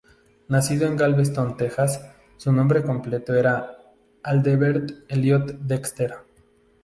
Nacido en Galveston, Texas, su nombre completo era Adelbert Elliott Dexter.